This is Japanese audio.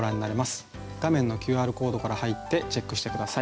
画面のＱＲコードから入ってチェックして下さい。